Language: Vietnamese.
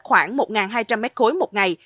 khoảng một hai trăm linh mét khối một ngày